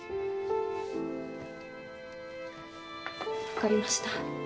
分かりました。